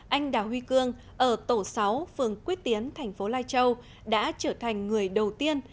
anh đào huy cương ở tổ sáu phường quyết tiến thành phố lai châu đã trở thành người đầu tiên